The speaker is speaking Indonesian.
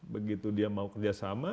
begitu dia mau kerjasama